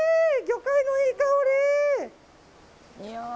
魚介のいい香り！